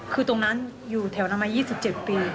คือตรงนั้นอยู่แถวนั้นมายี่สิบเจ็บปี